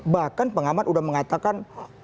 bahkan pengamat sudah mengatakan